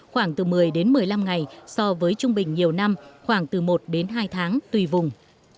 khoảng từ một mươi đến một mươi năm ngày so với trung bình nhiều năm khoảng từ một đến hai tháng tùy vùng